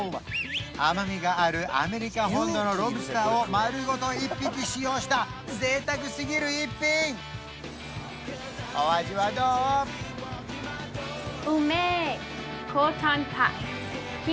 甘みがあるアメリカ本土のロブスターを丸ごと１匹使用した贅沢すぎる一品お味はどう？